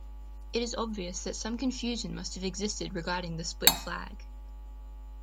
It is obvious that some confusion must have existed regarding the "Splitflag".